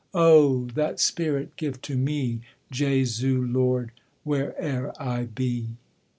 Oh! that Spirit give to me, Jesu Lord, where'er I be!